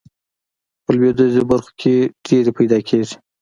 په لویدیځو برخو کې ډیرې پیداکیږي.